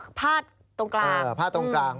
เออพาดตรงกลาง